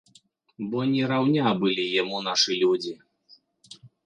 Бо не раўня былі яму нашы людзі.